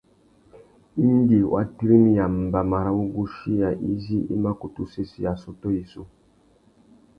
Indi wa tirimiya mbama râ wuguchiya izí i mà kutu sésséya assôtô yissú.